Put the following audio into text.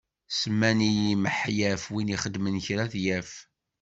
Semman-iyi Miḥyaf win ixedmen kra ad t-yaf.